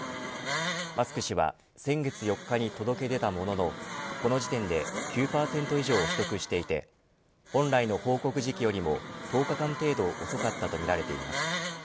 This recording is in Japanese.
マスク氏は先月４日に届け出たもののこの時点で９％以上を取得していて本来の報告時期よりも１０日間程度遅かったとみられています。